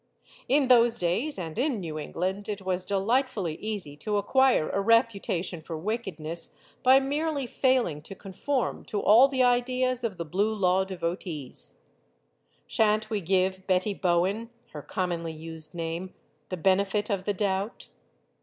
In those days and in New England, it was delightfully easy to acquire a reputation for wickedness by merely failing to conform to all the ideas of the blue law 92 STORIES OF THE SUPER WOMEN r devotees. Shan't we give Betty Bowen her com monly used name the benefit of the doubt?